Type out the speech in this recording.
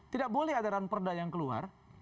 tidak boleh ada ranperda yang keluar